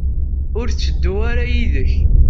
Ur tetteddu ara yid-k?